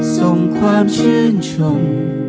ส่งความชื่นชม